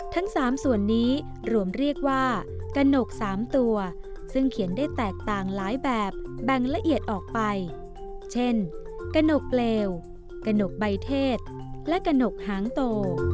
ทั้ง๓ส่วนนี้รวมเรียกว่ากระหนก๓ตัวซึ่งเขียนได้แตกต่างหลายแบบแบ่งละเอียดออกไปเช่นกระหนกเลวกระหนกใบเทศและกระหนกหางโต